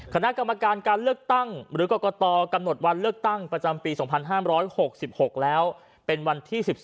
คณะกรรมการการเลือกตั้งหรือกรกตกำหนดวันเลือกตั้งประจำปี๒๕๖๖แล้วเป็นวันที่๑๒